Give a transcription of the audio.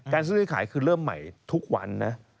ซื้อให้ขายคือเริ่มใหม่ทุกวันนะ